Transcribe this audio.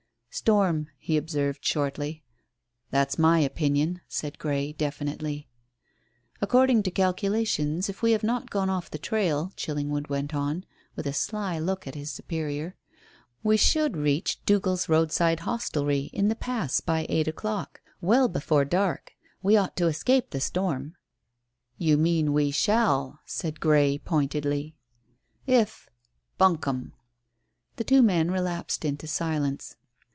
"Storm," he observed shortly. "That's my opinion," said Grey definitely. "According to calculations, if we have not got off the trail," Chillingwood went on, with a sly look at his superior, "we should reach Dougal's roadside hostelry in the Pass by eight o'clock well before dark. We ought to escape the storm." "You mean we shall," said Grey pointedly. "If " "Bunkum!" The two men relapsed into silence.